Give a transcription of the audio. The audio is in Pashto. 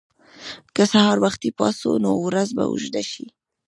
که سهار وختي پاڅو، نو ورځ به اوږده شي.